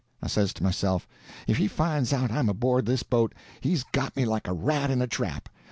I says to myself, if he finds out I'm aboard this boat, he's got me like a rat in a trap.